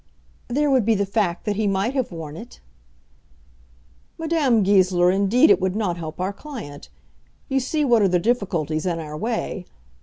"There would be the fact that he might have worn it." "Madame Goesler, indeed it would not help our client. You see what are the difficulties in our way.